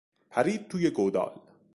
پرید توی گودال.